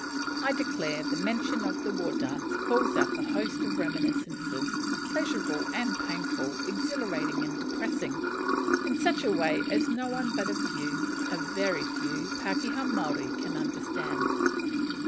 I declare the mention of the war dance calls up a host of reminiscences, pleasurable and painful, exhilarating and depressing, in such a way as no one but a few, a very few, pakeha Maori can understand.